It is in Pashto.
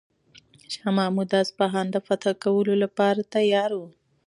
شاه محمود د اصفهان د فتح لپاره تیار و.